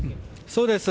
そうです。